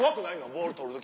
ボール捕る時。